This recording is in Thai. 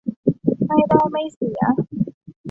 ไม่ได้ไม่เสีย